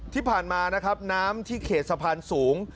ที่ผ่านมานะครับน้ำที่เขตสะพานสูง